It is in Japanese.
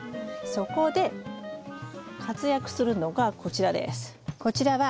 そこで活躍するのがこちらです。